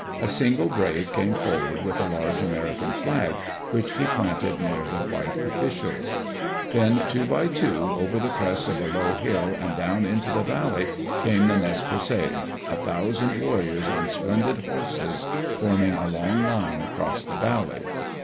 A single brave came forward with a large American flag, which he planted near the white officials. Then, two by two, over the crest of a low hill and down into the valley, came the Nez Perces, a thousand warriors on splendid horses forming a long line across the valley.